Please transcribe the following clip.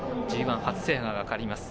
ＧＩ初制覇がかかります。